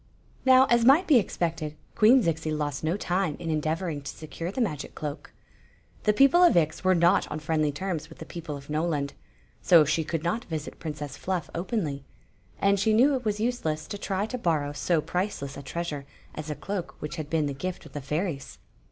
Now, as might be expected, Queen Zixi lost no time in endeavonng to secure the magic cloak. The people of Ix were not on friendly terms with the peo ple of Mpland ; so she could not visit Princess Fluff openly ; and she knew it was useless to try to borrow so priceless a treasure as a cloak which had been the gift of the fairies.